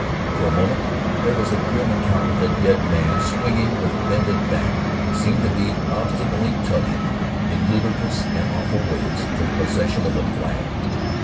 For a moment there was a grim encounter. The dead man, swinging with bended back, seemed to be obstinately tugging, in ludicrous and awful ways, for the possession of the flag.